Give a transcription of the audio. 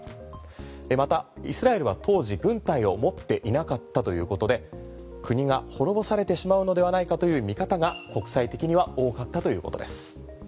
またイスラエルは当時、軍隊を持っていなかったということで国が滅ぼされてしまうのではないかという見方が国際的には多かったということです。